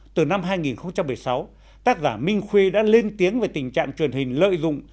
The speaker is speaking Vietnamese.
từ năm hai nghìn một mươi sáu tác giả minh khuê đã lên tiếng về tình trạng truyền hình lợi dụng